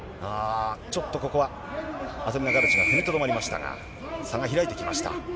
ちょっとここは、アトリナガルチが踏みとどまりましたが、差が開いてきました。